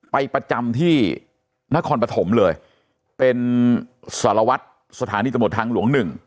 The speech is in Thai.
ไปประจำที่นครปฐมเลยเป็นสารวัตรสถานีตำรวจทางหลวงหนึ่ง